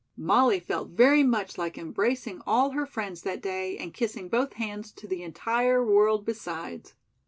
Molly felt very much like embracing all her friends that day and kissing both hands to the entire world besides.